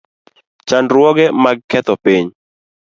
Chandruoge mag ketho piny